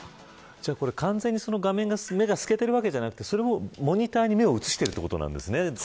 完全に画面が透けてるわけじゃなくてモニターに目を移しているということなんですね。